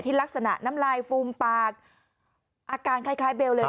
ลักษณะน้ำลายฟูมปากอาการคล้ายเบลเลย